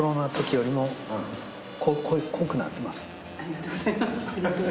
ありがとうございます。